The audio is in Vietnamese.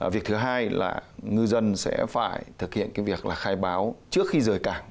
việc thứ hai là ngư dân sẽ phải thực hiện việc khai báo trước khi rời cảng